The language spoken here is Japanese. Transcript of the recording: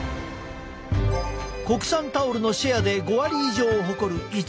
国産タオルのシェアで５割以上を誇る一大産地。